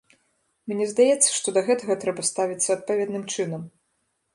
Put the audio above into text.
Мне здаецца, што да гэтага трэба ставіцца адпаведным чынам.